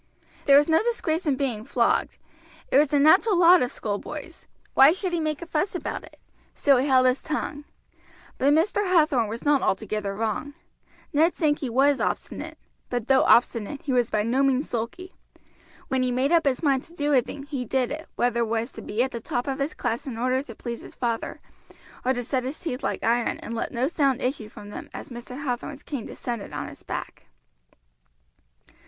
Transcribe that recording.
There was no disgrace in being flogged it was the natural lot of schoolboys; why should he make a fuss about it? So he held his tongue. But Mr. Hathorn was not altogether wrong. Ned Sankey was obstinate, but though obstinate he was by no means sulky. When he made up his mind to do a thing he did it, whether it was to be at the top of his class in order to please his father, or to set his teeth like iron and let no sound issue from them as Mr. Hathorn's cane descended on his back.